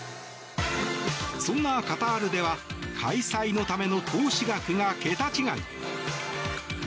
そんなカタールでは開催のための投資額が桁違い。